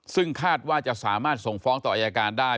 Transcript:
ซึ่งคาดว่าจะสามารถส่งฟ้องต่ออายการได้